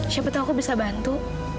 siapa tahu aku bisa bantu